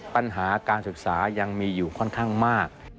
ปัญหาการศึกษายังมีอยู่ค่อนข้างมาก